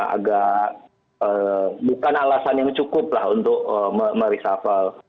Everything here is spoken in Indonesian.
agak bukan alasan yang cukup lah untuk meresapel